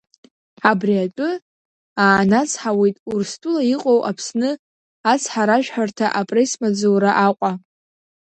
Абри атәы аанацҳауеит Урыстәыла иҟоу Аԥсны Ацҳаражәҳәарҭа апресс-маҵзура Аҟәа.